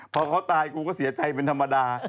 พอเขาตายกูก็เสียใจเป็นธรรมดา